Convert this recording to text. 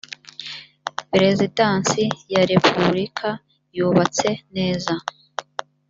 perezidansi ya repubulika yubatse neza.